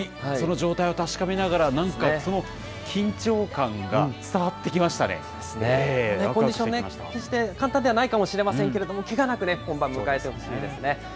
その状態を確かめながら、なんか、その緊張感が伝わってきまコンディションは決して簡単ではないかもしれませんけれども、けがなくね、本番迎えてほしいですね。